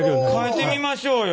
書いてみましょうよ。